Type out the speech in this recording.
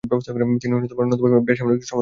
তিনি অন্যতম বেসামরিক সদস্য ছিলেন।